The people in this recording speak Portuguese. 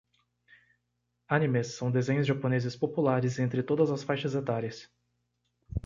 Animes são desenhos japoneses populares entre todas as faixas etárias